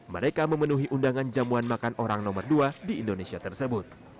mereka memenuhi undangan jamuan makan orang nomor dua di indonesia tersebut